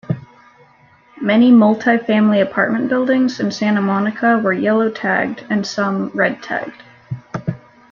Many multifamily apartment buildings in Santa Monica were yellow-tagged and some red-tagged.